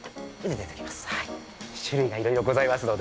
種類がいろいろございますので。